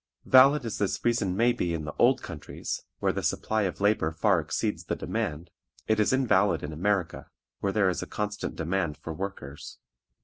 Valid as this reason may be in the old countries, where the supply of labor far exceeds the demand, it is invalid in America, where there is a constant demand for workers.